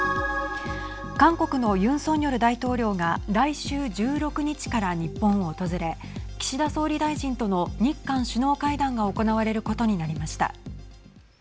韓国のユン・ソンニョル大統領が来週１６日から日本を訪れ岸田総理大臣との日韓首脳会談が行われることになりました。